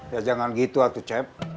ya jangan gitu aku cep